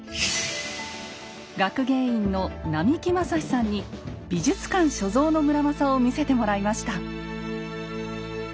学芸員の並木昌史さんに美術館所蔵の村正を見せてもらいました。